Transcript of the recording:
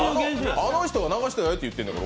あの人は流してないって言ってるんだから。